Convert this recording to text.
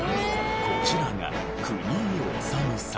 こちらが国井修さん。